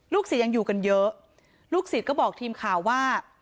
เสียยังอยู่กันเยอะลูกศิษย์ก็บอกทีมข่าวว่า